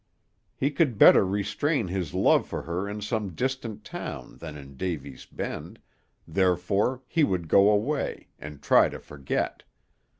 He could better restrain his love for her in some distant town than in Davy's Bend, therefore he would go away, and try to forget.